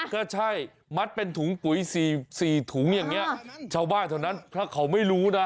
ก็ใช่มัดเป็นถุงปุ๋ย๔ถุงอย่างนี้ชาวบ้านเท่านั้นถ้าเขาไม่รู้นะ